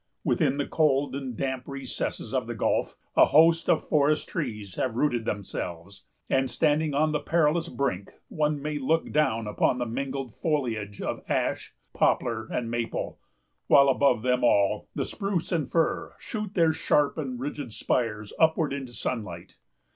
Within the cold and damp recesses of the gulf, a host of forest trees have rooted themselves; and, standing on the perilous brink, one may look down upon the mingled foliage of ash, poplar, and maple, while, above them all, the spruce and fir shoot their sharp and rigid spires upward into sunlight.